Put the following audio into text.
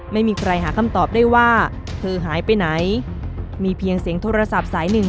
ไม่มีใครหาคำตอบได้ว่าเธอหายไปไหนมีเพียงเสียงโทรศัพท์สายหนึ่ง